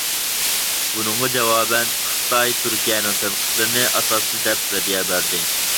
بۇنىڭغا جاۋابەن خىتاي تۈركىيەنىڭ تەنقىدلىرىنى ئاساسسىز دەپ رەددىيە بەردى.